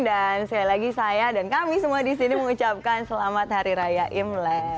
dan sekali lagi saya dan kami semua di sini mengucapkan selamat hari raya imlek